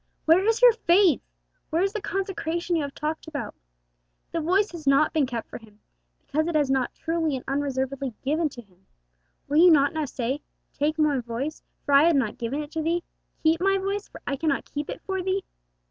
Where is your faith? Where is the consecration you have talked about? The voice has not been kept for Him, because it has not been truly and unreservedly given to Him. Will you not now say, 'Take my voice, for I had not given it to Thee; keep my voice, for I cannot keep it for Thee'?